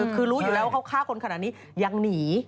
คือรู้อยู่แล้วว่าเขาฆ่าคนขนาดนี้ยังหนี